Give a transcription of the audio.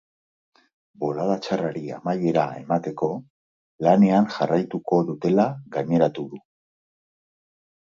Bolada txarrari amaiera emateko, lanean jarraituko dutela gaineratu du.